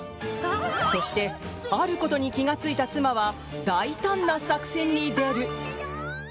そしてあることに気がついた妻は大胆な作戦に出る！